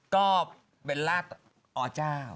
ก็เบลล่าอเจ้า